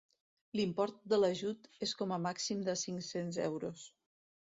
L'import de l'ajut és com a màxim de cinc-cents euros.